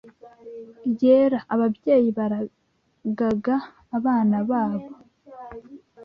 yera ababyeyi baragaga abana babo